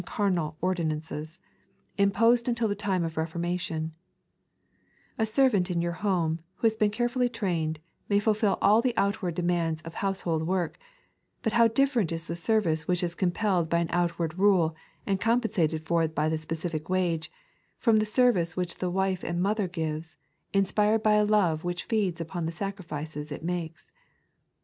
51 carnal ordinancea," imposed tmtil the time of Teformation, A servaot in your home, who has been carefully trained, may fulfil all the outward demands of household work ; but how different is the service which is compelled by an out ward rule, and compensated for by the specified wage, from the service which the wife and mother gives, inspired by a love which feeds upon the sacrifices it makes!